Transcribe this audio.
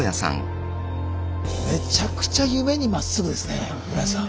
めちゃくちゃ夢にまっすぐですね室屋さん。